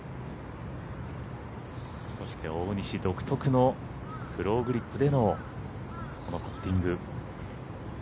そして大西独特のグリップでのこのパッティング。